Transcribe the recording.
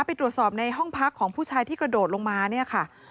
ไปตรวจสอบในห้องพักของผู้ชายที่กระโดดลงมาเนี่ยค่ะ